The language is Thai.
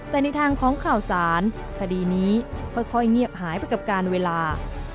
แต่ในทางของข่าวสารคดีนี้ค่อยเงียบหายไปกับการเวลา